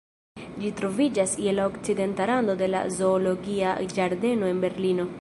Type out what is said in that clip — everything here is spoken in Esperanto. Ĝi troviĝas je la okcidenta rando de la Zoologia ĝardeno de Berlino.